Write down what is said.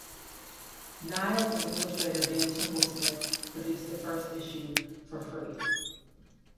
Niles and illustrator Ben Templesmith produced the first issue for free.